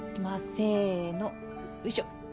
せのよいしょ。